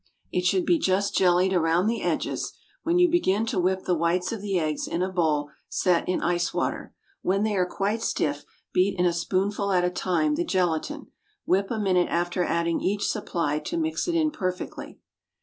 It should be just "jellied" around the edges, when you begin to whip the whites of the eggs in a bowl set in ice water. When they are quite stiff, beat in a spoonful at a time the gelatine. Whip a minute after adding each supply to mix it in perfectly.